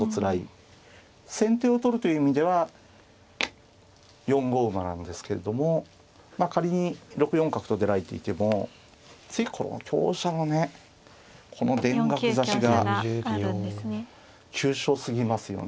先手を取るという意味では４五馬なんですけれども仮に６四角と出られていても次この香車のねこの田楽刺しが急所すぎますよね。